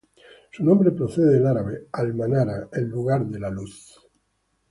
Su nombre procede del árabe "al manara", "el lugar de la luz".